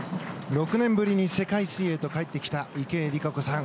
６年ぶりに世界水泳へ帰ってきた池江璃花子さん。